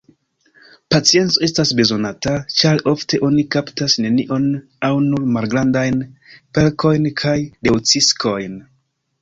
Pacienco estas bezonata, ĉar ofte oni kaptas nenion aŭ nur malgrandajn perkojn kaj leŭciskojn.